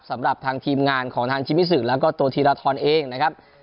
สำหรับทางทีมงานของทางชิมิสุแล้วก็ตัวธีรทรเองนะครับ